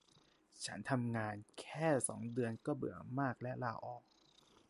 ฉันทำงานแค่สองเดือนก็เบื่อมากและลาออก